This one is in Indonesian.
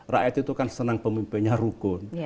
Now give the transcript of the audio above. rakyat itu kan senang pemimpinnya rukun